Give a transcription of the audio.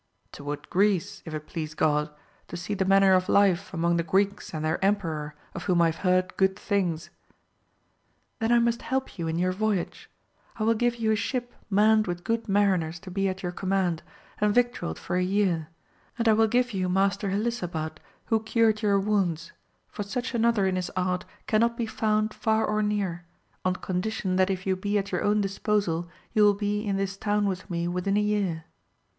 — ^Toward Greece if it please God, to see the manner of life among the Greeks and their emperor, of whom I have heard good things. — ^Then I must help you in your voyage ; I will give you a ship manned with good mariners to be at your command, and victualled for a year ; and I will give you Master Helisabad who cured your wounds, for such another in his art cannot be found far or near, on condition that if you be at your own disposal you will be in this town with me within a year.